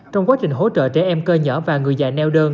trong quá trình hỗ trợ trẻ em cơ nhở và người dạy nêu đơn